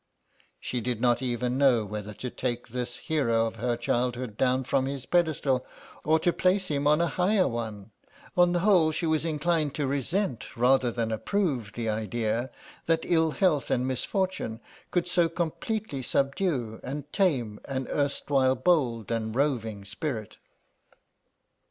She did not even know whether to take this hero of her childhood down from his pedestal, or to place him on a higher one; on the whole she was inclined to resent rather than approve the idea that ill health and misfortune could so completely subdue and tame an erstwhile bold and roving spirit.